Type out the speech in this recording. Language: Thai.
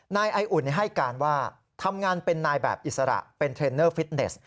นายไออุ่นให้การว่าทำงานเป็นนายแบบอิสระเป็นเทรนเนอร์ฟิตเนส